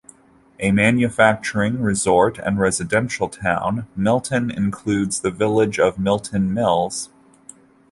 A manufacturing, resort and residential town, Milton includes the village of Milton Mills.